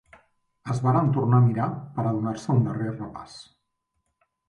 Es varen tornar a mirar pera donar-se un darrer repàs